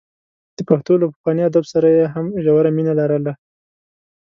د پښتو له پخواني ادب سره یې هم ژوره مینه لرله.